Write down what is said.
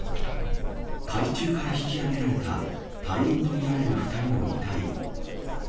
海中から引き揚げられた、隊員と見られる２人の遺体。